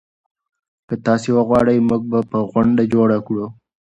که تاسي وغواړئ موږ به غونډه جوړه کړو.